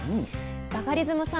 バカリズムさん